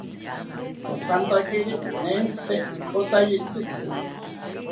Nokantakiri nentzite ikote tzitzi